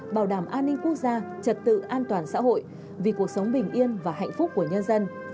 bảo đảm an ninh quốc gia trật tự an toàn xã hội vì cuộc sống bình yên và hạnh phúc của nhân dân